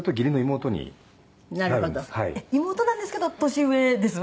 妹なんですけど年上です